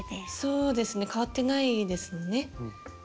そうですね変わってないですね。